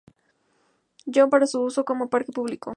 John para su uso como parque público.